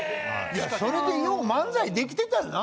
それでよう漫才できてたよな